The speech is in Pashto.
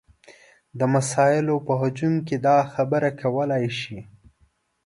د مسایلو په هجوم کې دا خبره کولی شي.